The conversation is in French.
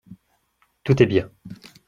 Tout est bien.